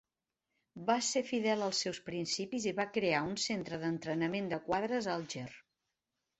Va ser fidel als seus principis i va crear un centre d'entrenament de quadres a Alger.